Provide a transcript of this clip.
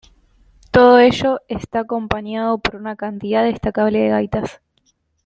Todo ello está acompañado por una cantidad destacable de gaitas.